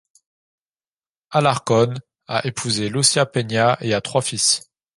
Alarcón a épousé Lucía Peña et a trois fils.